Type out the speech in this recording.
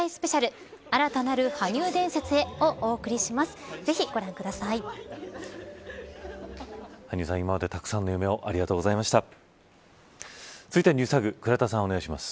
スペシャル新たなる羽生伝説へをお送りします。